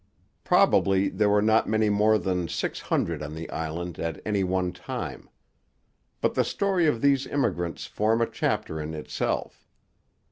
Probably there were not many more than six hundred on the island at any one time. But the story of these immigrants forms a chapter in itself.